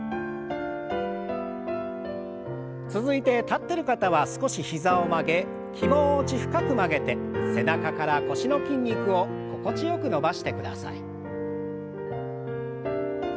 続いて立ってる方は少し膝を曲げ気持ち深く曲げて背中から腰の筋肉を心地よく伸ばしてください。